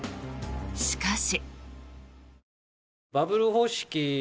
しかし。